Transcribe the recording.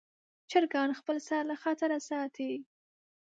چرګان خپل سر له خطره ساتي.